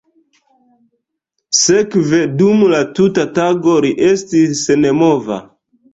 Sekve dum la tuta tago li estis senmova.